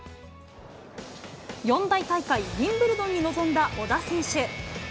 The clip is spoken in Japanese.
四大大会、ウィンブルドンに臨んだ小田選手。